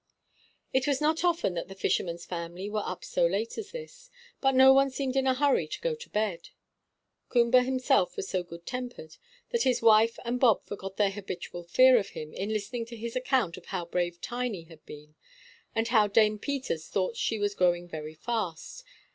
It was not often that the fisherman's family were up so late as this, but no one seemed in a hurry to go to bed. Coomber himself was so good tempered that his wife and Bob forgot their habitual fear of him in listening to his account of how brave Tiny had been, and how Dame Peters thought she was growing very fast.